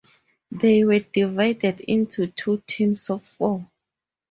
They were divided into two teams of four.